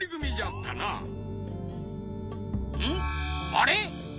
あれ？